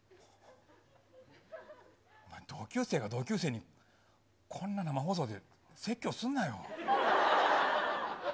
お前、同級生が同級生にこんな生放送で説教すんなよ。